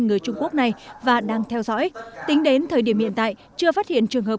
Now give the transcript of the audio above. người trung quốc này và đang theo dõi tính đến thời điểm hiện tại chưa phát hiện trường hợp